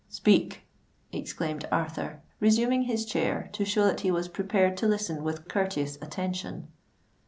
"Speak," exclaimed Arthur, resuming his chair to show that he was prepared to listen with courteous attention.